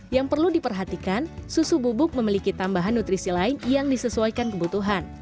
yang perlu diperhatikan susu bubuk memiliki tambahan nutrisi lain yang disesuaikan kebutuhan